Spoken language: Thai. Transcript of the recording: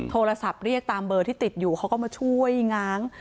โทรศัพท์เรียกตามเบอร์ที่ติดอยู่เขาก็มาช่วยง้าง